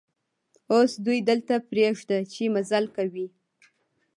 اوس دوی دلته پرېږده چې مزل کوي.